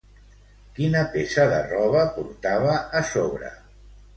Quina peça de roba portava a sobre?